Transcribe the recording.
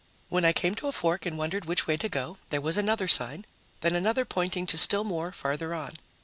When I came to a fork and wondered which way to go, there was another sign, then another pointing to still more farther on.